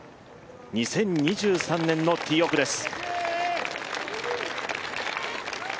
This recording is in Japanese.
２０２３年のティーオフです。